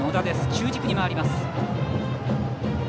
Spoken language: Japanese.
中軸に回ります。